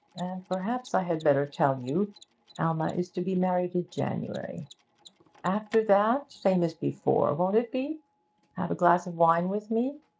And perhaps I had better tell you, Alma is to be married in January. After that, same as before, won't it be? Have a glass of wine with me?